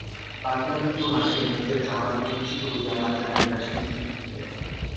পাগলাদিদিও হাসেন, মুখের চামড়া কুঞ্চিত হইয়া হাজার রেখার সৃষ্টি হইয়া যায়!